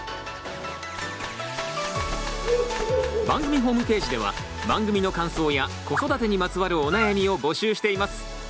番組ホームページでは番組の感想や子育てにまつわるお悩みを募集しています。